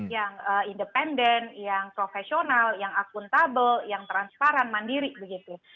yang independen yang profesional yang akuntabel yang transparan mandiri begitu